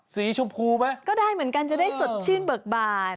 สีชมพูไหมก็ได้เหมือนกันจะได้สดชื่นเบิกบาด